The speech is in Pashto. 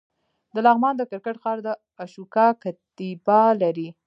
د لغمان د کرکټ ښار د اشوکا کتیبه لري